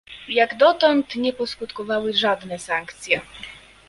Jak dotąd nie poskutkowały żadne sankcje